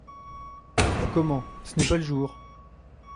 Comment, ce n’est pas le jour ?